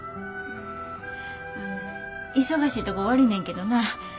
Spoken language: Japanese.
忙しいとこ悪いねんけどな